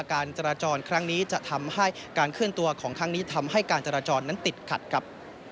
การจราจรครั้งนี้จะทำให้การเคลื่อนตัวของครั้งนี้ทำให้การจราจรนั้นติดขัดครับ